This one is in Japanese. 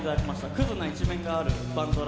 クズな一面があるバンドらしいです。